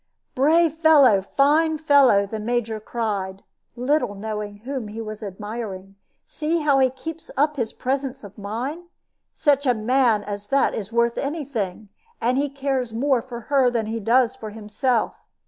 "Brave fellow! fine fellow!" the Major cried, little knowing whom he was admiring. "See how he keeps up his presence of mind! Such a man as that is worth any thing. And he cares more for her than he does for himself.